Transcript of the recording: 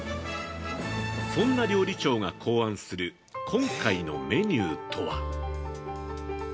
そんな料理長が考案する今回のメニューとは？